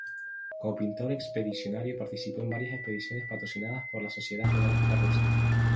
Como pintor expedicionario participó en varias expediciones patrocinadas por la Sociedad Geográfica Rusa.